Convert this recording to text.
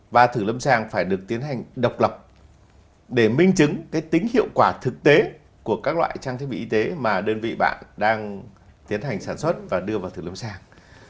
và thử lâm sàng phải được tiến hành độc lập để minh chứng cái tính hiệu quả thực tế của các loại trang thiết bị y tế mà đơn vị bạn đang tiến hành sản xuất và đưa vào thử lâm sàng